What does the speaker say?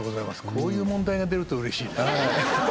こういう問題が出るとうれしいですね。